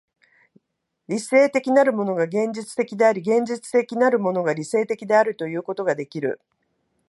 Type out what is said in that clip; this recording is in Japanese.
理性的なるものが現実的であり、現実的なるものが理性的であるということができる。